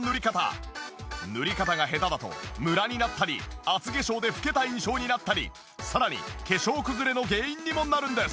塗り方が下手だとムラになったり厚化粧で老けた印象になったりさらに化粧崩れの原因にもなるんです。